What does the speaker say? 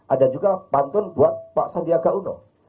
ada juga pantun buat pak sandiaga uno